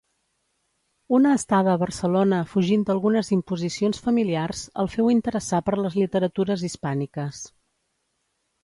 Una estada a Barcelona fugint d'algunes imposicions familiars el féu interessar per les literatures hispàniques.